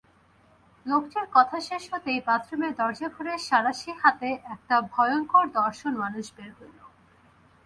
লোকটির কথা শেষ হতেই বাথরুমের দরজা খুলে সাঁড়াশি হাতে একটা ভয়ংকরদর্শন মানুষ বের হল।